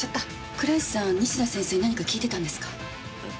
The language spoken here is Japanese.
倉石さん西田先生に何か聞いてたんですか？